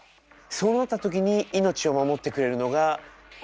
そう思った時に命を守ってくれるのがこの道具たちです。